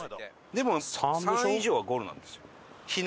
でも３以上はゴールなんですよ。